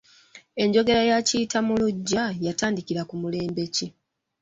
Enjogera ya kiyita mu luggya yatandikira ku mulembe ki?